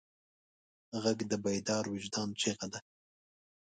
غږ د بیدار وجدان چیغه ده